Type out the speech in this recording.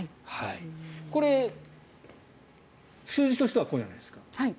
これ、数字としてはこれじゃないですか。